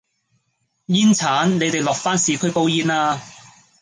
煙剷你哋落返市區煲煙啦